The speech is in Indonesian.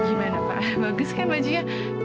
gimana pak bagus kan bajunya